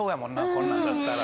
こんなんだったら。